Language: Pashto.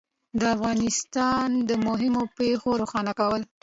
د افغانستان د مهمو پېښو روښانه کول